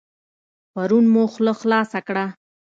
پرون مو خوله خلاصه کړه.